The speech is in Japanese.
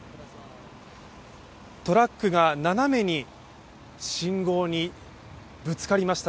トラックが斜めに信号にぶつかりました。